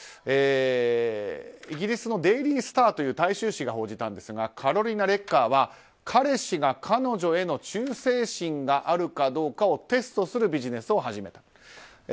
イギリスのデイリー・スターという大衆紙が報じたんですがカロリナ・レッカーは彼氏が彼女への忠誠心があるかどうかをテストするビジネスを始めた。